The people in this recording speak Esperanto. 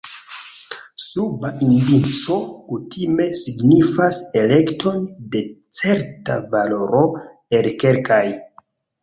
Suba indico kutime signifas elekton de certa valoro el kelkaj.